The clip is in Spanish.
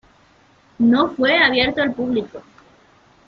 No fue abierto al público.